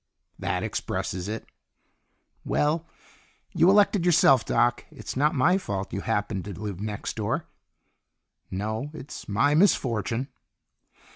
"That expresses it." "Well, you elected yourself, Doc. It's not my fault you happened to live next door." "No. It's my misfortune."